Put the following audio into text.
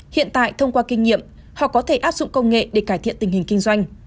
hiện tại thông qua kinh nghiệm họ có thể áp dụng công nghệ để cải thiện tình hình kinh doanh